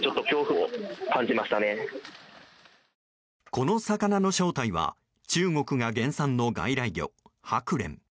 この魚の正体は中国が原産の外来魚ハクレン。